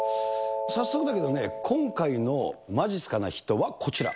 早速だけどね、今回のまじっすかな人はこちら。